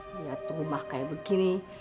liat rumah kayak begini